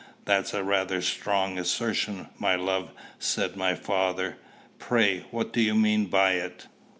"That's rather a strong assertion, my love," said my father. "Pray, what do you mean by it?"